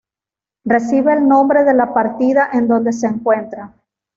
Recibe el nombre de la partida en donde se encuentra.